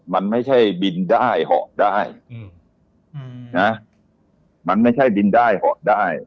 มันไม่ใช่บินได้เหาะได้อืมนะมันไม่ใช่บินได้เหาะได้